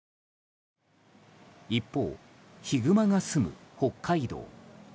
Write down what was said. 一方、ヒグマがすむ北海道。